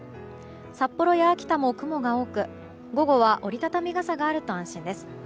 札幌や秋田も雲が多く午後は折り畳み傘があると安心です。